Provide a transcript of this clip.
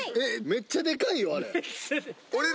めっちゃでかいよあれ。